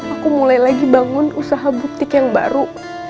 aku mulai lagi bangun usaha buktik yang baru